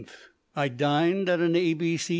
I dined at an "A.B.C."